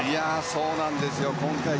そうなんですよ。